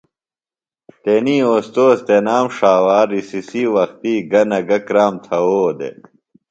تنی اوستوذ تنام ݜاوا رِسسی وختی گہ نہ گہ کرام تھوؤ دےۡ۔